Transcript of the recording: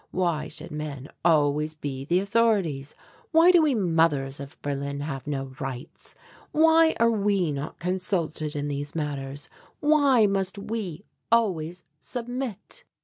Why should men always be the authorities? Why do we mothers of Berlin have no rights? Why are we not consulted in these matters? Why must we always submit?"